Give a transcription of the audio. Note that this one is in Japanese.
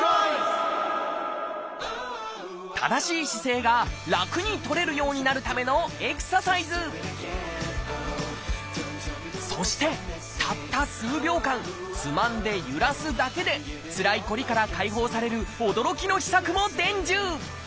正しい姿勢が楽にとれるようになるためのそしてたった数秒間つまんでゆらすだけでつらいこりから解放される驚きの秘策も伝授！